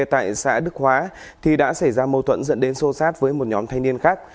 tại xã đức hóa thì đã xảy ra mâu thuẫn dẫn đến sô sát với một nhóm thanh niên khác